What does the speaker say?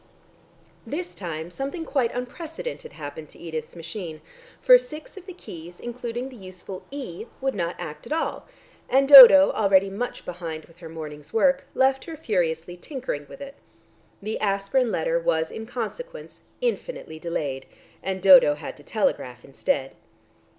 This time something quite unprecedented happened to Edith's machine, for six of the keys including the useful "e" would not act at all, and Dodo, already much behindhand with her morning's work, left her furiously tinkering with it. The aspirin letter was in consequence indefinitely delayed, and Dodo had to telegraph instead.